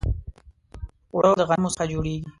اوړه د غنمو څخه جوړیږي